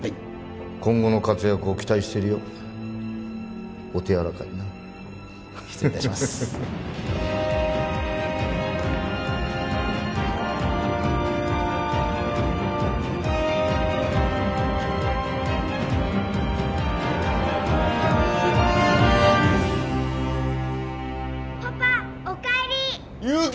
今後の活躍を期待しているよお手柔らかになフフフフ失礼いたしますパパおかえり祐希！